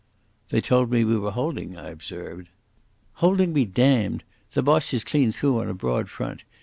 "They told me we were holding," I observed. "Holding be damned! The Boche is clean through on a broad front.